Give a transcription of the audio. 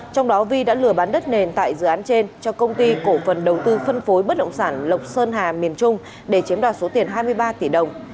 trong đó vi đã lừa bán đất nền tại dự án trên cho công ty cổ phần đầu tư phân phối bất động sản lộc sơn hà miền trung để chiếm đoạt số tiền hai mươi ba tỷ đồng